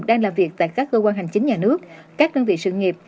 đang làm việc tại các cơ quan hành chính nhà nước các đơn vị sự nghiệp